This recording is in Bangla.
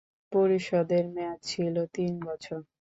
পরিষদের মেয়াদ ছিল তিন বছর।